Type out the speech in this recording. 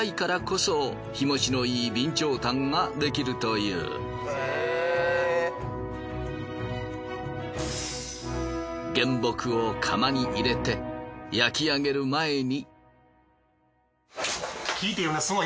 そう原木を窯に入れて焼き上げる前に。